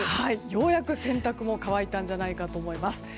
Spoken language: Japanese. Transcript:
ようやく、洗濯も乾いたんじゃないかと思います。